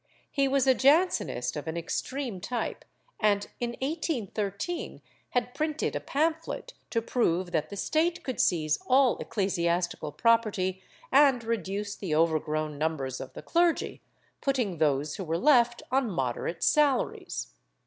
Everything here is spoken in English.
He was a Jansenist of an extreme type and, in 1813, had printed a pamphlet to prove that the State could seize all eccles iastical property and reduce the overgrown numbers of the clergy, putting those who were left on moderate salaries.